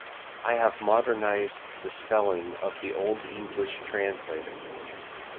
I have modernized the spelling of the old English translator.